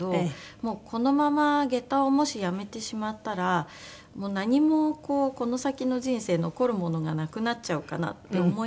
もうこのまま下駄をもしやめてしまったらもう何もこの先の人生残るものがなくなっちゃうかなって思い直して。